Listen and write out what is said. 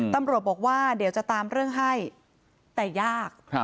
ตำรวจบอกว่าเดี๋ยวจะตามเรื่องให้แต่ยาก